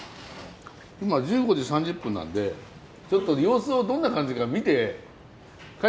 今１５時３０分なんでちょっと様子をどんな感じか見て帰って来る感じですかね。